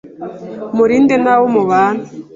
murinde n’abo mubana.